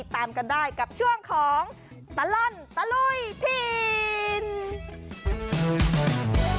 ติดตามกันได้กับช่วงของตะล่อนตะลุ้ยทีน